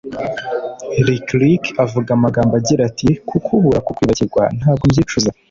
Lick Lick avuga amagambo agira ati ”Kukubura kukwibagirwa ntabwo mbyicuza